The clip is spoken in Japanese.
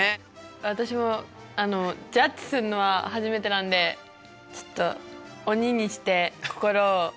私もジャッジするのは初めてなんでちょっと鬼にして心を頑張ります。